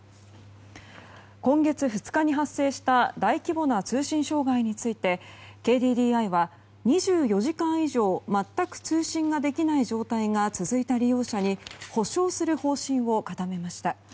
今月２日に発生した大規模な通信障害についてＫＤＤＩは、２４時間以上全く通信ができない状態が続いた利用者に補償する方針を固めました。